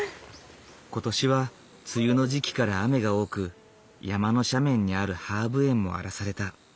今年は梅雨の時期から雨が多く山の斜面にあるハーブ園も荒らされた。